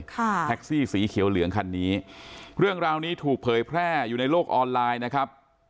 แท็กซี่สีเขียวเหลืองคันนี้เรื่องราวนี้ถูกเผยแพร่อยู่ในโลกออนไลน์นะครับ